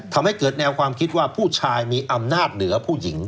ทำให้เกิดแนวความคิดว่าผู้ชายมีอำนาจเหนือผู้หญิง